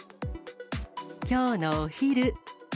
きょうのお昼。